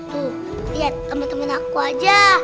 tuh ya temen temen aku aja